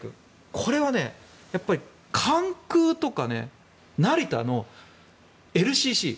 これは関空とか成田のＬＣＣ